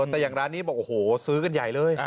แต่อย่างร้านนี้บอกโอ้โหซื้อกันใหญ่เลย